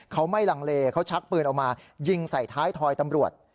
เขาไม่ลังเลเขาชักปืนออกมายิงใส่ท้ายทอยตำรวจ